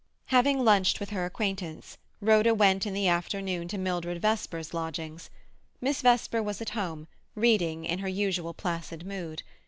Having lunched with her acquaintance, Rhoda went in the afternoon to Mildred Vesper's lodgings. Miss Vesper was at home, reading, in her usual placid mood.